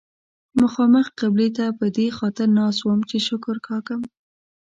مخامخ قبلې ته په دې خاطر ناست وم چې شکر کاږم.